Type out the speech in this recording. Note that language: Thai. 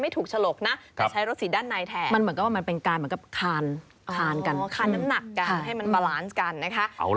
มันแนบตัวเราด้วยมันใกล้กับตัวเราด้วยอะไรอย่างนี้